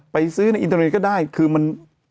ไปซื้อในอินเทอร์เนยก็ได้คือมัน